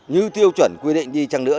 như tiêu chuẩn quy định đi chăng nữa